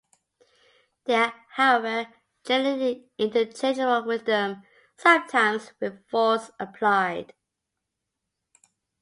They are however generally interchangeable with them, sometimes with force applied.